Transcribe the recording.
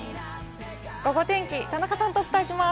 ゴゴ天気、田中さんとお伝えします。